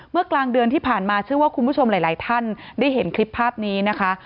เมื่อกลางเดือนที่ผ่านมาคุณผู้ชมหลายท่านได้เห็นคลิปภาพนี้นะคะ